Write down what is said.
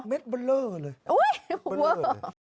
เม็ดเบอร์เลอร์เลยเบอร์เลอร์เลยอุ๊ยเบอร์